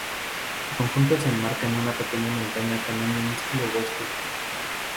El conjunto se enmarca en una pequeña montaña con un minúsculo bosque.